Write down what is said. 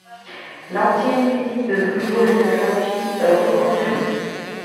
L'ancienne usine de velours est aujourd'hui reconvertie.